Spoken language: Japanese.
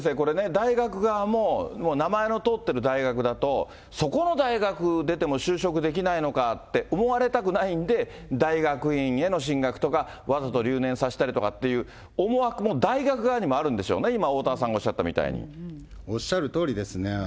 でも、高口先生、大学だと、そこの大学出ても就職できないのかって思われたくないんで、大学院への進学とか、わざと留年させたりとかっていう、思惑も、大学側にもあるんでしょうね、今おおたわさんがおっしゃったようおっしゃるとおりですね。